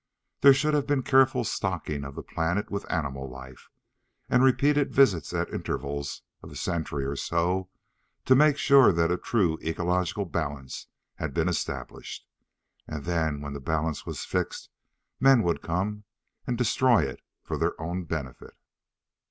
There should have been careful stocking of the planet with animal life, and repeated visits at intervals of a century or so to make sure that a true ecological balance had been established. And then when the balance was fixed men would come and destroy it for their own benefit.